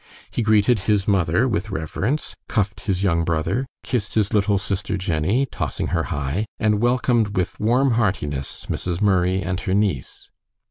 He greeted his mother with reverence, cuffed his young brother, kissed his little sister Jennie, tossing her high, and welcomed with warm heartiness Mrs. Murray and her niece.